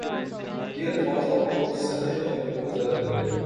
یہ الفاظ آپ کو سنے میں بہت زیادہ ملیں گے